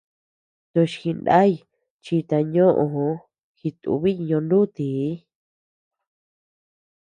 Tochi jinay chita ñóʼoo jitúbiy ñonútii.